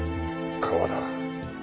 川だ。